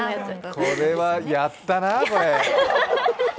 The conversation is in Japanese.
これはやったな、これ。